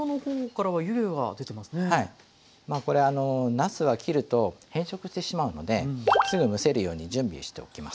なすは切ると変色してしまうのですぐ蒸せるように準備をしておきます。